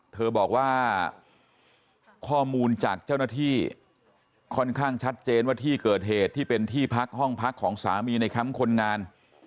เธอบอกว่าข้อมูลจากเจ้าหน้าที่ค่อนข้างชัดเจนว่าที่เกิดเหตุที่เป็นที่พักห้องพักของสามีในแคมป์คนงาน